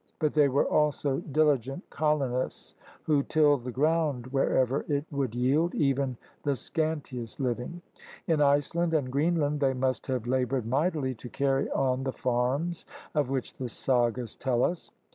But they were also diligent colonists who tilled the ground wherever it would yield even the scantiest living. In Iceland and Greenland they must have labored mightily to carry on the farms of which the Sagas tell us.